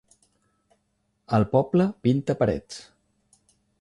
El poble pinta parets.